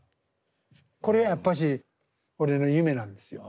これやっぱし俺の夢なんですよ